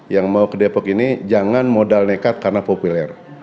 yang mau ke depok ini jangan modal nekat karena populer